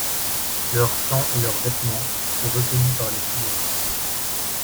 Leur sang et leurs vêtements furent recueillis par les fidèles.